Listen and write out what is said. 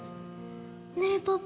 ねえパパ